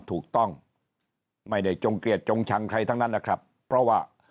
ถูกต้องไม่ได้จงเกลียดจงชังใครทั้งนั้นนะครับเพราะว่า